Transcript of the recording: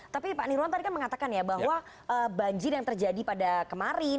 tapi pak nirwan tadi kan mengatakan ya bahwa banjir yang terjadi pada kemarin